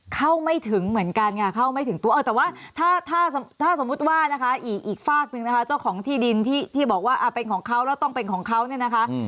เข้าไม่ถึงเหมือนกันค่ะเข้าไม่ถึงตัวแต่ว่าถ้าถ้าสมมุติว่านะคะอีกฝากหนึ่งนะคะเจ้าของที่ดินที่บอกว่าเป็นของเขาแล้วต้องเป็นของเขาเนี่ยนะคะ